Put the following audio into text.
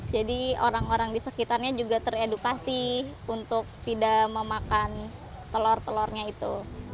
jadi orang orang di sekitarnya juga teredukasi untuk tidak memakan telur telurnya itu